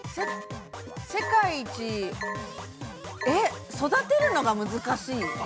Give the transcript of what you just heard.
◆世界一、えっ、育てるのが難しい？